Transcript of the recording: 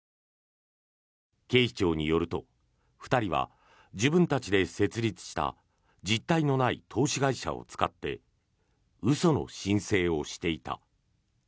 警視庁によると２人は自分たちで設立した実体のない投資会社を使って嘘の申請をしていた。